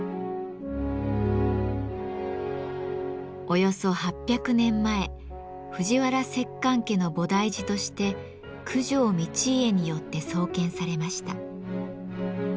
およそ８００年前藤原摂関家の菩提寺として九条道家によって創建されました。